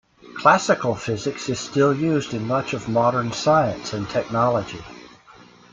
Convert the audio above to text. Classical physics is still used in much of modern science and technology.